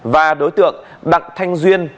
và đối tượng đặng thanh duyên